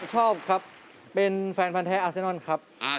ชอบครับเป็นแฟนพันธ์แท้อาเซนอนครับ